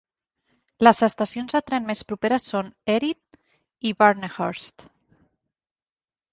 Les estacions de tren més properes són Erith i Barnehurst.